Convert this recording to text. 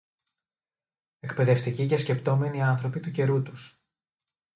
εκπαιδευτικοί και σκεπτόμενοι άνθρωποι του καιρού τους